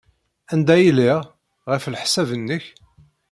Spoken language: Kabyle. Anda ay lliɣ, ɣef leḥsab-nnek?